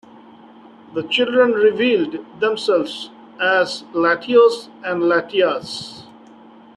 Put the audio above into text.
The children revealed themselves as Latios and Latias.